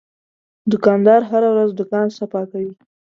دوکاندار هره ورځ دوکان صفا کوي.